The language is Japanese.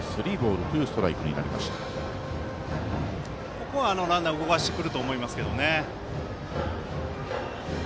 ここはランナーを動かしてくると思いますけどね。